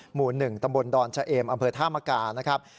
หมู่หนึ่งตำบลดอนเฉอมอำเภอท่ามกานะครับ